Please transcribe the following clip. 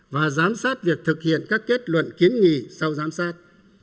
và giám sát việc thực hiện các kết luận kiến nghị sau giám sát